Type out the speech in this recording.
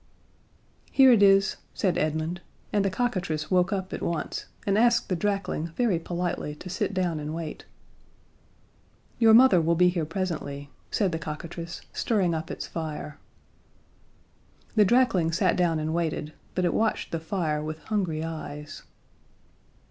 "Here it is," said Edmund, and the cockatrice woke up at once and asked the drakling very politely to sit down and wait. "Your mother will be here presently," said the cockatrice, stirring up its fire. The drakling sat down and waited, but it watched the fire with hungry eyes.